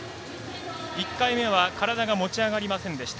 １回目は体が持ち上がりませんでした。